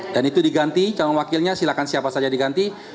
dan itu diganti calon wakilnya silahkan siapa saja diganti